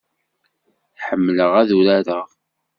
Ḥemmleɣ ad urareɣ.